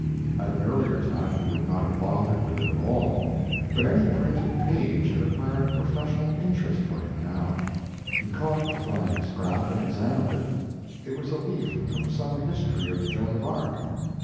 At an earlier time he would not have bothered with it at all, but any printed page had acquired a professional interest for him now. He caught the flying scrap and examined it. It was a leaf from some history of Joan of Arc.